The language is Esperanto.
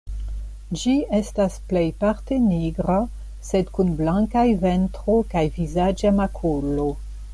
Ĝi estas plejparte nigra, sed kun blankaj ventro kaj vizaĝa makulo.